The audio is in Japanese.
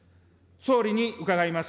総理に伺います。